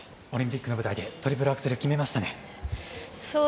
オリンピックの舞台でトリプルアクセル決めましたね。